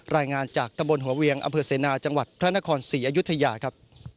รายงานจากตำบลหัวเวียงอำเภอเสนาจังหวัดพระนครศรีอยุธยาครับ